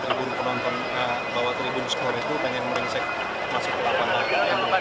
ada beberapa orang dari tribun tribun sekolah itu pengen merinsek masuk ke lapangan